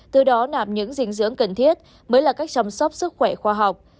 từ đó nạp những dinh dưỡng cần thiết mới là cách chăm sóc sức khỏe khoa học